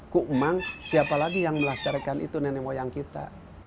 kuk mang siapa lagi yang melastarkan itu nenek nenek wayang kita